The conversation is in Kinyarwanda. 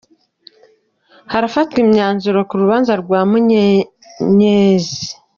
Harafatwa imyanzuro ku rubanza rwa Munyenyezi